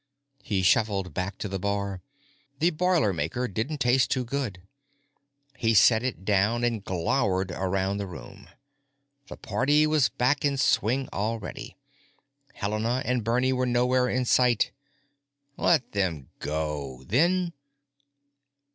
He shuffled back to the bar. The boilermaker didn't taste too good. He set it down and glowered around the room. The party was back in swing already; Helena and Bernie were nowhere in sight. Let them go, then....